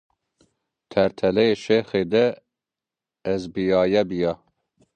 Tertele Şêxi de ez biyae biya.